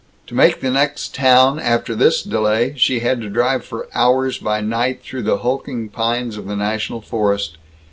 To make the next town, after this delay, she had to drive for hours by night through the hulking pines of the national forest.